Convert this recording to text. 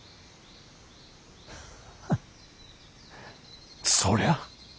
ハッそりゃ